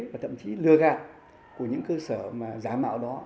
và thậm chí lừa gạt của những cơ sở mà giả mạo đó